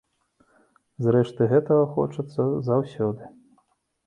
Зрэшты, гэтага хочацца заўсёды.